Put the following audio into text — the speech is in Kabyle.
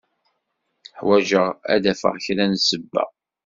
Ḥwajeɣ ad d-afeɣ kra n ssebba.